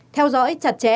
hai theo dõi chặt chẽ